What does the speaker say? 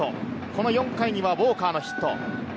この４回にはウォーカーのヒット。